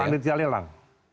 sampai panitia lelang